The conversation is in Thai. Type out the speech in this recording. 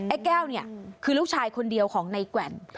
แก้วเนี่ยคือลูกชายคนเดียวของในแกว่ง